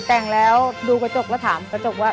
แต่งแล้วดูกระจกแล้วถามกระจกว่า